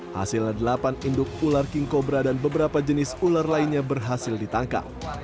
hasilnya delapan induk ular king cobra dan beberapa jenis ular lainnya berhasil ditangkap